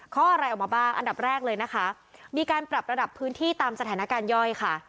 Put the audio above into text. ข้ออะไรออกมาบ้างอันดับแรกเลยนะคะมีการปรับระดับพื้นที่ตามสถานการณ์ย่อยค่ะ